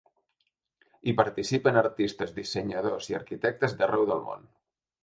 Hi participen artistes, dissenyadors i arquitectes d’arreu del món.